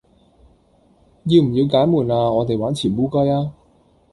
要唔要解悶啊我哋玩潛烏龜呀